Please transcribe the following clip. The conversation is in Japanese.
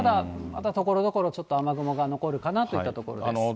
ただ、ところどころちょっと雨雲が残るかなといったところです。